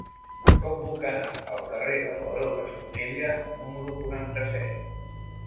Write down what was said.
Com puc anar al carrer del Baró d'Esponellà número quaranta-set?